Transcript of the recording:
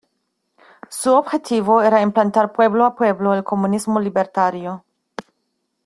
Su objetivo era implantar pueblo a pueblo el comunismo libertario.